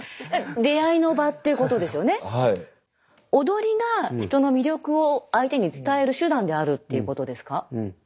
踊りが人の魅力を相手に伝える手段であるっていうことですか？